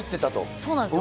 そうなんですよ。